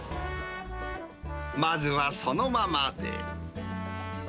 まずはそのままで。